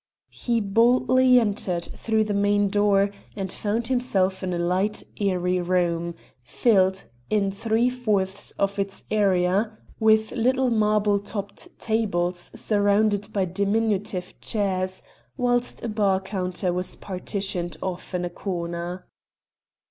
He boldly entered through the main door, and found himself in a light, airy room, filled, in three fourths of its area, with little marble topped tables surrounded by diminutive chairs, whilst a bar counter was partitioned off in a corner.